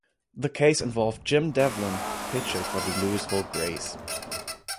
The case involved Jim Devlin, pitcher for the Louisville Grays.